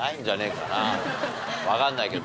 わかんないけど。